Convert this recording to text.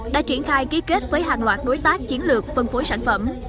đã triển khai ký kết với hàng loạt đối tác chiến lược phân phối sản phẩm